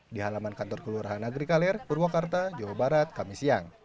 di halaman kantor kelurahan agrikaler purwakarta jawa barat kamisiyang